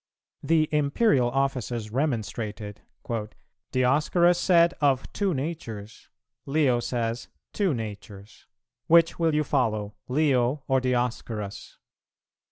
The Imperial officers remonstrated, "Dioscorus said, 'Of two natures;' Leo says, 'Two natures:' which will you follow, Leo or Dioscorus?"